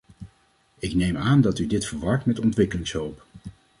Ik neem aan dat u dit verwart met ontwikkelingshulp.